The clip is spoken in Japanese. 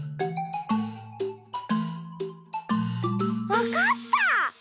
わかった！